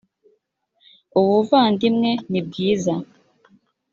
ubuvandimwe ni bwiza